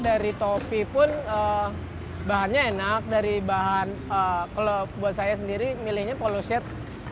dari topi pun bahannya enak dari bahan kalau buat saya sendiri milihnya poloset